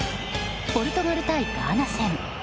ポルトガル対ガーナ戦。